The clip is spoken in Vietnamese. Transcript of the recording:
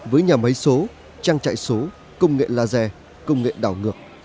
với nhà máy số trang trại số công nghệ laser công nghệ đảo ngược